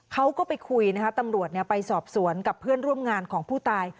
เขาก็ไปคุยนะคะตำรวจไปสอบสวนกับเพื่อนร่วมงานของผู้ตาย